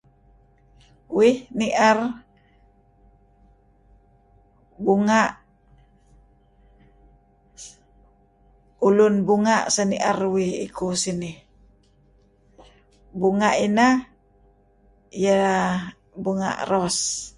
Uih ni'er... bunga'... ulun bunga' seni'er uih igu sinih. Bunga' ineh... ieh bunga' ros.